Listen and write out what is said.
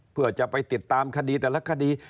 เพื่อจะไปติดตามคดีแต่ละคดี